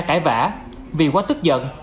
cãi vả vì quá tức giận